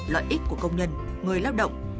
lợi ích của công nhân người lao động